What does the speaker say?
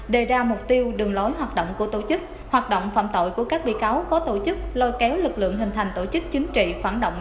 đề ra mục tiêu đường lối hoạt động của tổ chức hoạt động phạm tội của các bị cáo có tổ chức lôi kéo lực lượng hình thành tổ chức chính trị phản động